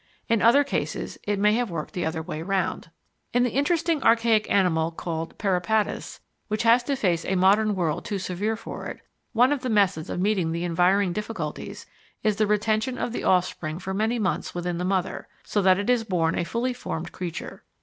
In other cases it may have worked the other way round. In the interesting archaic animal called Peripatus, which has to face a modern world too severe for it, one of the methods of meeting the environing difficulties is the retention of the offspring for many months within the mother, so that it is born a fully formed creature.